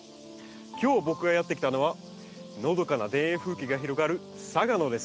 今日僕がやって来たのはのどかな田園風景が広がる嵯峨野です。